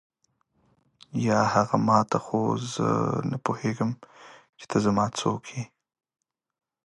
یا هغه ما ته خو زه نه پوهېږم چې ته زما څوک یې.